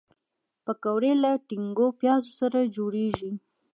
پکورې له ټینګو پیازو سره جوړیږي